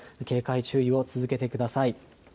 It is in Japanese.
警戒注意を続けてください。